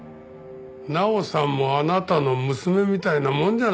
奈央さんもあなたの娘みたいなもんじゃないか。